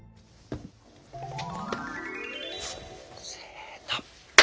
せの！